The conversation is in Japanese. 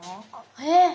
えっ。